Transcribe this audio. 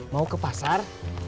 mau ke pasar